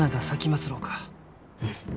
うん。